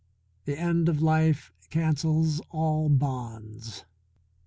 The end of life cancels all bands.